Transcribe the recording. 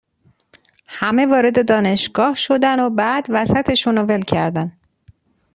همه وارد دانشگاه شدن و بعد وسطش اونو ول کردن.